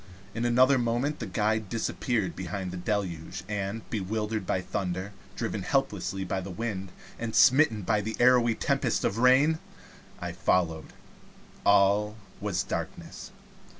In another moment the guide disappeared behind the deluge, and bewildered by the thunder, driven helplessly by the wind, and smitten by the arrowy tempest of rain, I followed. All was darkness.